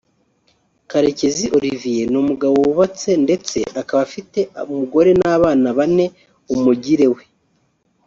Karekezi Olivier ni umugabo wubatse ndetse akaba afite umugore n’abana bane; umugire we